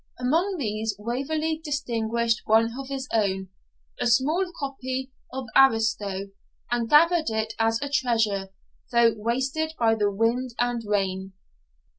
Among these Waverley distinguished one of his own, a small copy of Ariosto, and gathered it as a treasure, though wasted by the wind and rain.